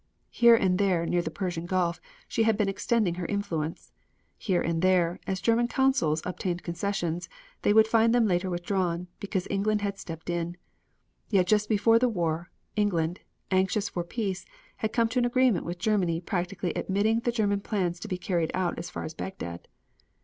Here and there near the Persian Gulf she had been extending her influence. Here and there, as German Consuls obtained concessions, they would find them later withdrawn, because England had stepped in. Yet just before the war England, anxious for peace, had come to an agreement with Germany practically admitting the German plans to be carried out as far as Bagdad.